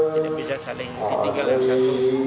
jadi bisa saling ditinggal yang satu